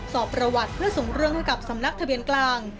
สอบประวัติเพื่อส่งเรื่องให้กับสำนักทะเบียนกลาง